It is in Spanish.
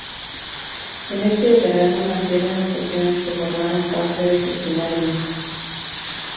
En ese verano nacieron las canciones que formaron parte de su primer disco.